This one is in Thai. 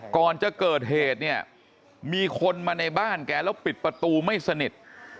ก่อนจะเกิดเหตุเนี่ยมีคนมาในบ้านแกแล้วปิดประตูไม่สนิท